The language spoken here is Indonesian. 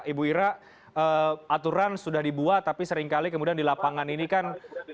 ibu ira aturan sudah dibuat tapi seringkali kemudian di lapangan ini kan